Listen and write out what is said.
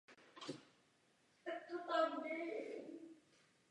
V důsledku této nešťastné události vznikl v obci Sbor dobrovolných hasičů.